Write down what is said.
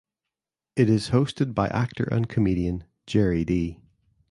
It is hosted by actor and comedian Gerry Dee.